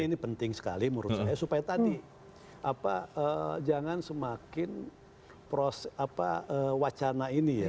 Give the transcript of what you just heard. ini penting sekali menurut saya supaya tadi jangan semakin wacana ini ya